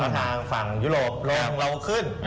ต่างฝั่งยุโรปลงเราค่อยขึ้น